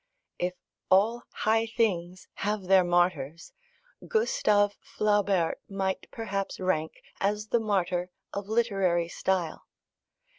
If all high things have their martyrs, Gustave Flaubert might perhaps rank as the martyr of literary style.